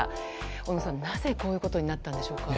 小野さん、なぜこういうことになったのでしょうか。